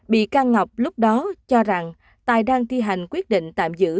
bị can ngọc lúc đó cho rằng tài đang thi hành quyết định tạm giữ